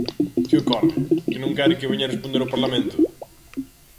¿Que ocorre?, ¿que non quere que veña responder ao Parlamento?